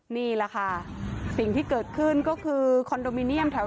นี่ล่ะค่ะสิ่งที่เกิดขึ้นก็คือ